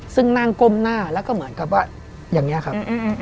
ซึ่งนั่งก้มหน้าแล้วก็เหมือนกับว่าอย่างนี้ครับ